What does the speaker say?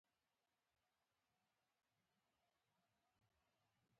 قلم له تورتمه ویره نه لري